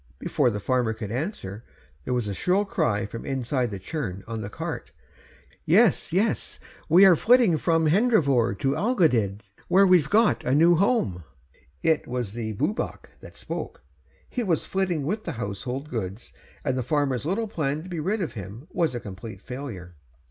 Before the farmer could answer there was a shrill cry from inside the churn on the cart, 'Yes, yes, we are flitting from Hendrefawr to Eingl dud, where we've got a new home.' It was the Bwbach that spoke. He was flitting with the household goods, and the farmer's little plan to be rid of him was a complete failure.